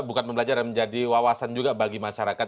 bukan pembelajar ya menjadi wawasan juga bagi masyarakat